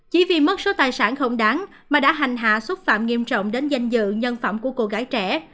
chỉ vì mất số tài sản không đáng mà đã hành hạ xúc phạm nghiêm trọng đến danh dự nhân phẩm của cô gái trẻ